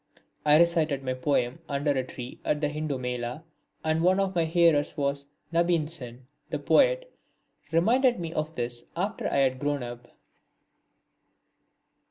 I recited my poem under a tree at the Hindu Mela and one of my hearers was Nabin Sen, the poet. He reminded me of this after I had grown up.